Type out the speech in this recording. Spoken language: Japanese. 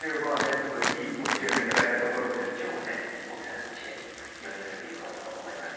ちょっといいお知恵も頂いたところで今日はね北斎の知恵読み解いていこうと思います。